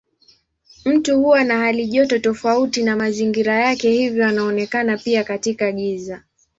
Mtu huwa na halijoto tofauti na mazingira yake hivyo anaonekana pia katika giza.